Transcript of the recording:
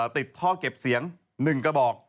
ติดท่อเก็บเสียง๑กระบอก